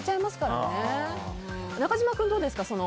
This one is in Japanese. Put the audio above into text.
中島君、どうですか。